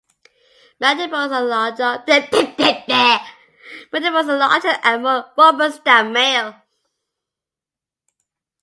Mandibles are larger and more robust than male.